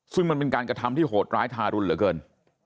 ซึ่งมันเป็นการกระทำที่โหดร้ายทารุณเหลือเกิน